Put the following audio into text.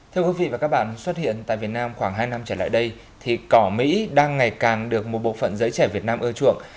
thưa quý vị và các bạn xuất hiện tại việt nam khoảng hai năm trở lại đây thì cỏ mỹ đang ngày càng được một bộ phận giới trẻ việt nam ưa chuộng